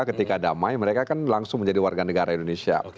ketika damai mereka kan langsung menjadi warga negara indonesia